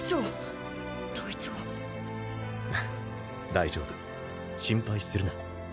大丈夫心配するな。